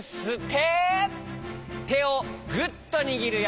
てをグッとにぎるよ。